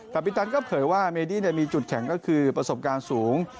ปิตันก็เผยว่าเมดี้มีจุดแข็งก็คือประสบการณ์สูง